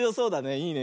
いいね。